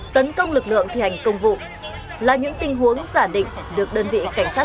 tấn công lực lượng thi hành công vụ là những tình huống giả định được đơn vị cảnh sát